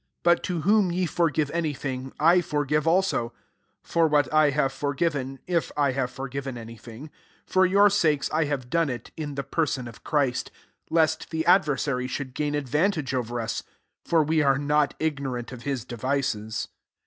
10 But to whom ye for eive any thing, I forgive also : for what I have forgiven, if I have forgiven any thing, for your sakes I have done it, in the person, of Christ; 11 lest the adversary should gain advan tage over us : for we are not ignorant of his devices.